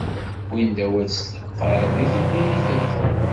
Wwin-d awal s telqay deg temlilit-agi.